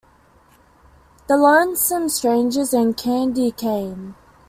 The Lonesome Strangers, and Candye Kane.